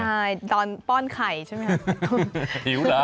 ใช่ตอนป้อนไข่ใช่ไหมครับ